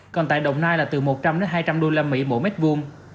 còn tại đồng nai là từ một trăm linh hai trăm linh usd mỗi mét vuông